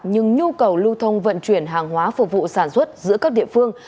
nhưng nhu cầu lưu thông vận chuyển hàng hóa phục vụ sản xuất giữa các địa phương